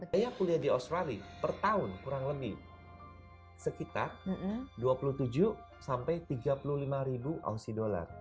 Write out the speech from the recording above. saya kuliah di australia per tahun kurang lebih sekitar dua puluh tujuh sampai tiga puluh lima ribu ausi dollar